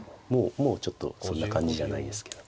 もうちょっとそんな感じじゃないですけど。